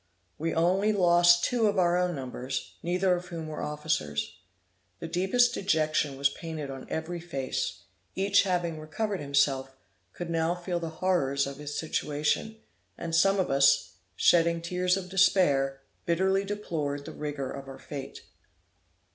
We only lost two of our own numbers, neither of whom were officers. The deepest dejection was painted on every face; each, having recovered himself, could now feel the horrors of his situation; and some of us, shedding tears of despair, bitterly deplored the rigor of our fate.